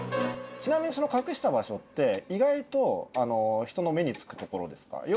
ちなみにその隠した場所って意外とあの人の目につくところですか？